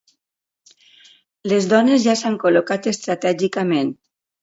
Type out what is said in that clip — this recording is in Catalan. Les dones ja s'han col·locat estratègicament.